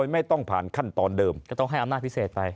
ไม่ต้องผ่านขั้นตอนเดิมก็ต้องให้อำนาจพิเศษไป